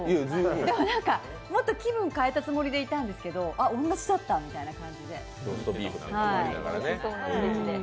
でも何かもっと気分を変えたつもりでいたんですけどあっ、同じだった、みたいな感じで。